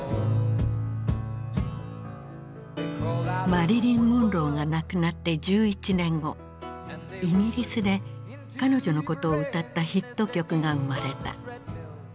マリリン・モンローが亡くなって１１年後イギリスで彼女のことを歌ったヒット曲が生まれた。